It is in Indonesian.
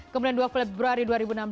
kemudian dua februari dua ribu enam belas